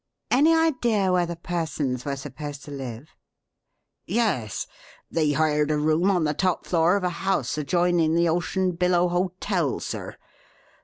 Any idea where the persons were supposed to live?" "Yes. They hired a room on the top floor of a house adjoining the Ocean Billow Hotel, sir.